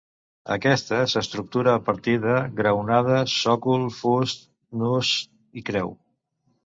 Aquesta s'estructura a partir de graonada, sòcol, fust, nus i creu.